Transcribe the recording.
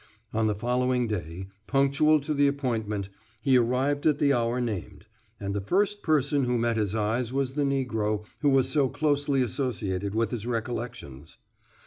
On the following day, punctual to the appointment, he arrived at the hour named, and the first person who met his eyes was the Negro who was so closely associated with his recollections.